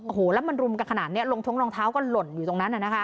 โอ้โหแล้วมันรุมกันขนาดนี้ลงท้องรองเท้าก็หล่นอยู่ตรงนั้น